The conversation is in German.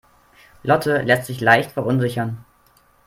Lotte lässt sich leicht verunsichern.